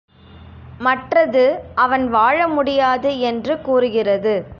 மற்றது, அவன் வாழ முடியாது என்று கூறுகிறது.